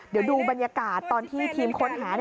เดี๋ยวดูบรรยากาศตอนที่ทีมค้นหา